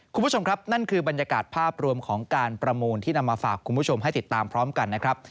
คุณผู้ชมครับนั่นคือบรรยากาศภาพรวมของการประมูลที่นำมาฝากคุณผู้ชมให้ติดตามพร้อมกันนะครับ